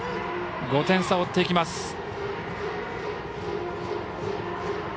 ５点差を追っていきます。